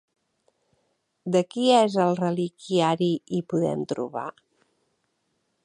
De qui és el reliquiari hi podem trobar?